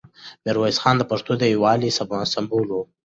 میرویس خان د پښتنو د یووالي سمبول و.